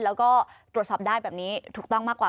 แล้วก็ตรวจสอบได้แบบนี้ถูกต้องมากกว่า